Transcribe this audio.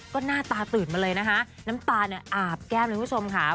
ก็หน้าตาตื่นมาเลยนะคะน้ำตาเนี่ยอาบแก้มเลยคุณผู้ชมค่ะ